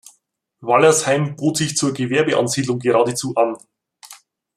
Wallersheim bot sich zur Gewerbeansiedlung geradezu an.